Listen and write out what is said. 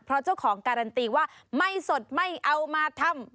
เพราะเจ้าของการันตีว่าไม่สดไม่เอามาทำ